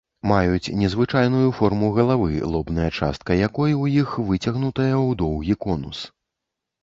Маюць незвычайную форму галавы, лобная частка якой у іх выцягнутая ў доўгі конус.